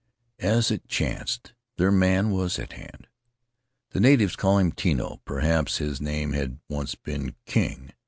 As it chanced, their man was at hand. The natives called him Tino — perhaps his name had once been King.